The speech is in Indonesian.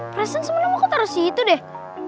presen semuanya mau taruh situ deh